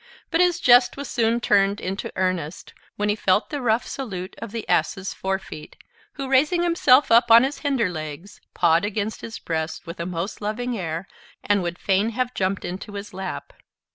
But his jest was soon turned into earnest, when he felt the rough salute of the Ass's fore feet, who, raising himself upon his hinder legs, pawed against his breast with a most loving air, and would fain have jumped into his lap.